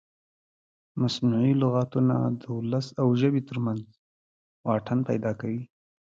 مصنوعي لغتونه د ولس او ژبې ترمنځ واټن پیدا کوي.